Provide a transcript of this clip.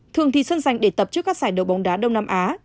thường thì sân dành để tập trước các giải đấu bóng đá đông nam á